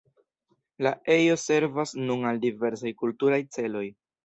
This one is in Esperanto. La ejo servas nun al diversaj kulturaj celoj.